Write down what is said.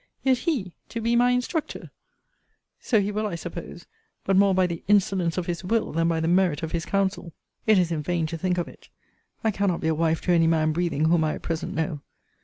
yet he to be my instructor! So he will, I suppose; but more by the insolence of his will than by the merit of his counsel. It is in vain to think of it. I cannot be a wife to any man breathing whom I at present know.